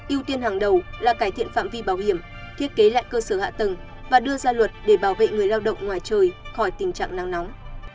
yêu tiên hàng đầu là cải thiện phạm vi bảo hiểm thiết kế lại cơ sở hạ tầng và đưa ra luật để bảo vệ người lao động ngoài trời khỏi tình trạng nắng nóng